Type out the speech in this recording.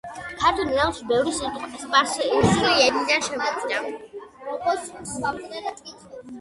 ქართულ ენაში ბევრი სიტყვა სპარსული ენიდან შემოვიდა.